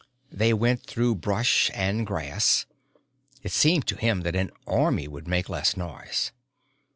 They went through brush and grass. It seemed to him that an army would make less noise.